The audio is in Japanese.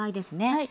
はい。